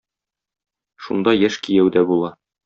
Шунда яшь кияү дә була.